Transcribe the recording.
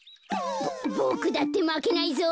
ボクだってまけないゾ。